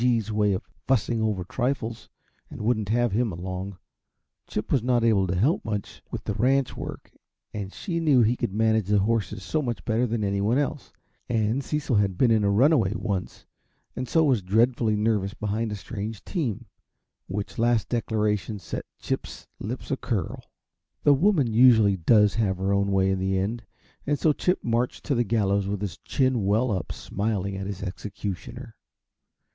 G.'s way of fussing over trifles, and wouldn't have him along. Chip was not able to help much with the ranch work, and she knew he could manage the horses so much better than anyone else and Cecil had been in a runaway once, and so was dreadfully nervous behind a strange team which last declaration set Chip's lips a curl. The woman usually does have her own way in the end, and so Chip marched to the gallows with his chin well up, smiling at his executioner.